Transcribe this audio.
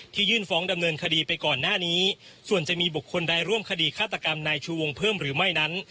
ยื่นฟ้องดำเนินคดีไปก่อนหน้านี้ส่วนจะมีบุคคลใดร่วมคดีฆาตกรรมนายชูวงเพิ่มหรือไม่นั้น